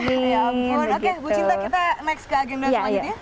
oke ibu cinta kita next ke agenda selanjutnya